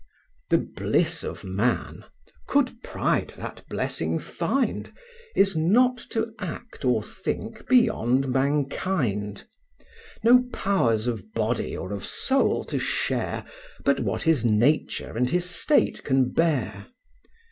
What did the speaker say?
The bliss of man (could pride that blessing find) Is not to act or think beyond mankind; No powers of body or of soul to share, But what his nature and his state can bear.